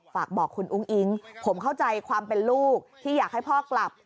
ฝากบอกคุณอุ้งอิ๊งผมเข้าใจความเป็นลูกที่อยากให้พ่อกลับ